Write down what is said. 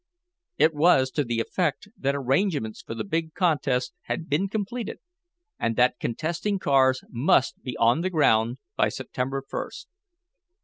It was to the effect that arrangements for the big contest had been completed, and that contesting cars must be on the ground by September first.